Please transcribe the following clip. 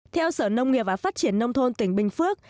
theo sở nông nghiệp và phát triển nông thôn tỉnh bình phước